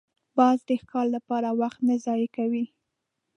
باز د ښکار لپاره وخت نه ضایع کوي